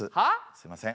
すいません。